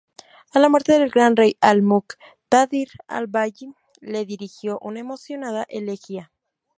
A la muerte del gran rey Al-Muqtadir, Al-Bayi le dirigió una emocionada elegía.